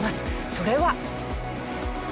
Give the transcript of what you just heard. それは！